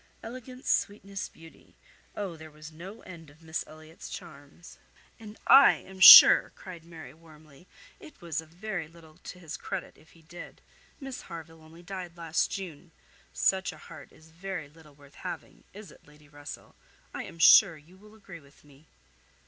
'Elegance, sweetness, beauty.' Oh! there was no end of Miss Elliot's charms." "And I am sure," cried Mary, warmly, "it was a very little to his credit, if he did. Miss Harville only died last June. Such a heart is very little worth having; is it, Lady Russell? I am sure you will agree with me."